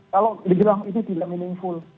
kalau di bilang itu tidak meaningful